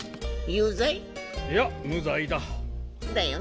有罪？いや無罪だ。